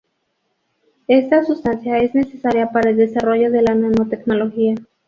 Esta sustancia es necesaria para el desarrollo de la nanotecnología.